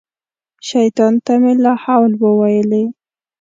شیطان ته مې لا حول وویلې.